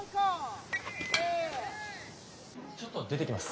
ちょっと出てきます。